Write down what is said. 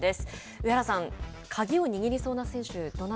上原さん、鍵を握りそうな選手